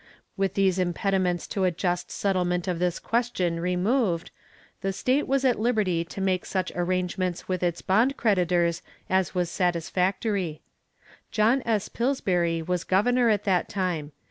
With these impediments to a just settlement of this question removed, the state was at liberty to make such arrangements with its bond creditors as was satisfactory. John S. Pillsbury was governor at that time.